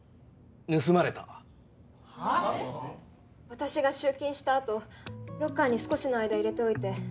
私が集金したあとロッカーに少しの間入れておいて。